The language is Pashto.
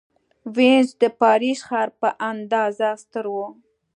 وینز د پاریس ښار په اندازه ستر و.